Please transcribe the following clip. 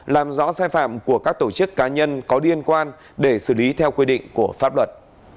làm rõ sai phạm của các tổ chức cá nhân có liên quan để xử lý theo quy định của pháp luật